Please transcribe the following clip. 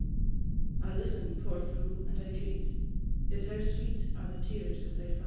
I listen, poor fool! and I greet; Yet how sweet are the tears as they fa'!